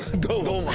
「どうも」。